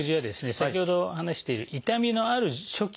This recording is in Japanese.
先ほど話している痛みのある初期